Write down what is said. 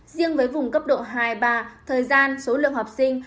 riêng với vùng cấp độ hai ba thời gian số lượng học sinh